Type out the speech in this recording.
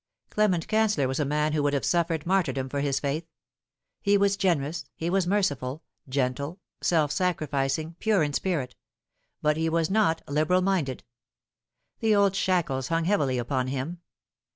Clement Canceller was a man who would have suffered martyrdom for his faith ; he was generous, he was merciful, gentle, self sacrificing, pure in spirit ; but he was not liberal minded. The old shackles hung heavily upon him.